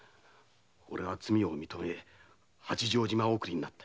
俺は罪を認め八丈島送りになった。